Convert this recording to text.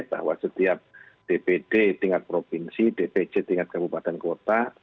bahwa setiap dpd tingkat provinsi dpc tingkat kabupaten kota